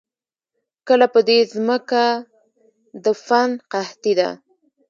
کله په دې زمکه د فن قحطي ده